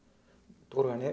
ところがね